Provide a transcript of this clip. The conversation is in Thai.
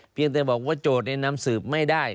เพียงแต่บอกว่าโจทย์นำสืบไม่ได้